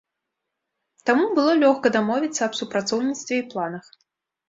Таму было лёгка дамовіцца аб супрацоўніцтве і планах.